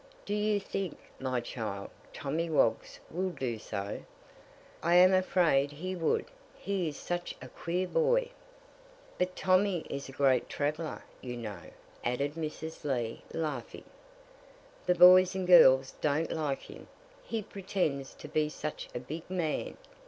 "Do you think, my child, Tommy Woggs will do so?" "I am afraid he would; he is such a queer boy." "But Tommy is a great traveller, you know," added Mrs. Lee, laughing. "The boys and girls don't like him, he pretends to be such a big man.